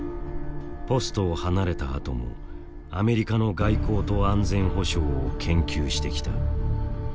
ポストを離れたあともアメリカの外交と安全保障を研究してきた。